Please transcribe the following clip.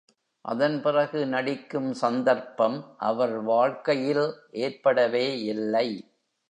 அதன்பிறகு நடிக்கும் சந்தர்ப்பம் அவர் வாழ்க்கையில் ஏற்படவே இல்லை.